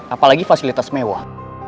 apalagi fasilitas mewah